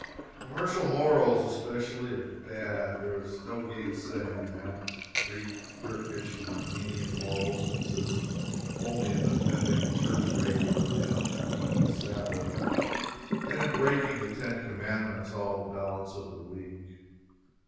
Commercial morals, especially, are bad. There is no gainsaying that. Greek, Turkish and Armenian morals consist only in attending church regularly on the appointed Sabbaths, and in breaking the ten commandments all the balance of the week.